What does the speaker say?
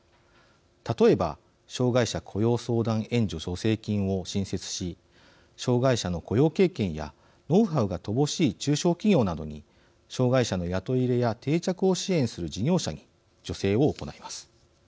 例えば障害者雇用相談援助助成金を新設し障害者の雇用経験やノウハウが乏しい中小企業などに障害者の雇い入れや定着を支援する事業者に助成を行います。